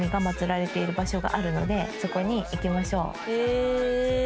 あるのでそこに行きましょう。